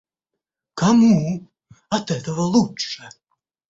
Кому от этого лучше?